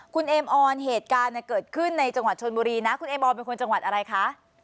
คุณเอมออนเหตุการณ์เกิดขึ้นในจังหวัดชนบุรีนะคุณเอบอลเป็นคนจังหวัดอะไรคะ